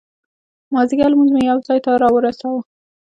مازدیګر لمونځ مو یو ځای ته را ورساوه.